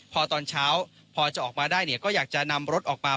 พอตอนเช้าพอจะออกมาได้เนี่ยก็อยากจะนำรถออกมา